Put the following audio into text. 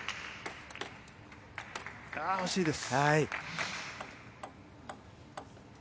惜しいです。